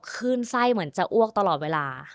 ขึ้นไส้เหมือนจะอ้วกตลอดเวลา